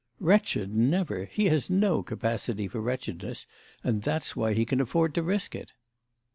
"Wretched never! He has no capacity for wretchedness, and that's why he can afford to risk it."